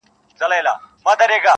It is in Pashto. • څنګه به دي یاره هېرومه نور ..